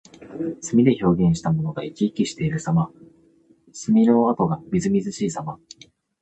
墨で表現したものが生き生きしているさま。墨の跡がみずみずしいさま。